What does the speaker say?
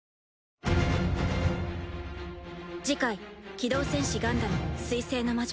「機動戦士ガンダム水星の魔女」